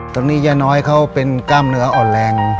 ตอนนี้ย่าน้อยเขาเป็นกล้ามเนื้ออ่อนแรง